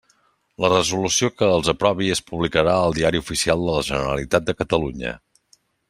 La resolució que els aprovi es publicarà al Diari Oficial de la Generalitat de Catalunya.